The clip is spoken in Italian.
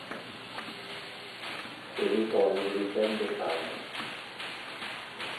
Seguì poi le vicende sarde.